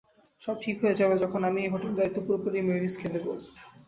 সব ঠিক হয়ে যাবে যখন আমি এই হোটেলের দায়িত্ব পুরোপুরি মেভিসকে দিবো।